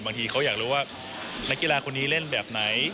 บางทีเขาอยากรู้ว่านักกีฬาคนนี้เล่นแบบไหน